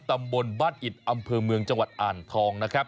ตำบลบ้านอิดอำเภอเมืองจังหวัดอ่างทองนะครับ